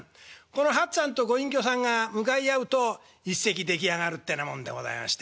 この八っつぁんとご隠居さんが向かい合うと一席出来上がるってなもんでございまして。